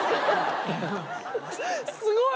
すごい。